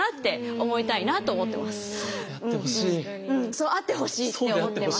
そうあってほしいって思ってます。